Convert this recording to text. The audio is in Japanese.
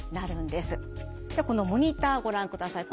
ではこのモニターご覧ください。